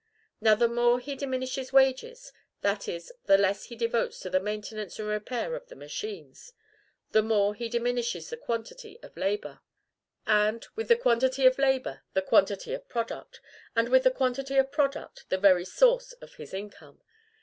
Now, the more he diminishes wages, that is, the less he devotes to the maintenance and repair of the machines, the more he diminishes the quantity of labor; and with the quantity of labor the quantity of product, and with the quantity of product the very source of his income.